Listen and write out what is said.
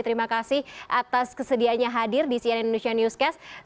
terima kasih atas kesedianya hadir di cnn indonesia newscast